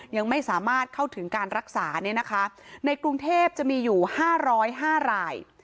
ยังไม่สามารถเข้าถึงการรักษาในกรุงเทพจะมีอยู่๕๐๕ราย